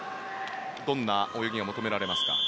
どんな泳ぎが求められますか。